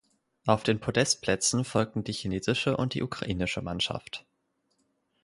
Auf den Podestplätzen folgten die chinesische und die ukrainische Mannschaft.